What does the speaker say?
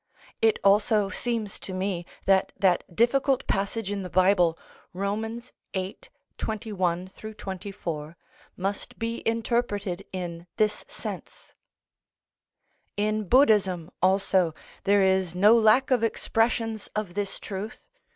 It also seems to me that that difficult passage in the Bible, Rom. viii. 21 24, must be interpreted in this sense. In Buddhism also, there is no lack of expressions of this truth.